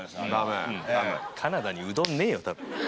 カナダにうどん、ねえよ。